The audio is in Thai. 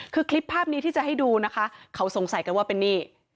คือคลิปภาพนี้ที่จะให้ดูนะคะเขาสงสัยกันว่าเป็นนี่